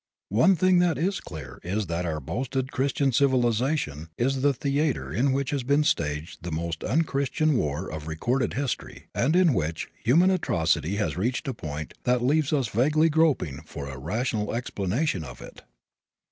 One thing that is clear is that our boasted Christian civilization is the theater in which has been staged the most un Christian war of recorded history and in which human atrocity has reached a point that leaves us vaguely groping for a rational explanation of it.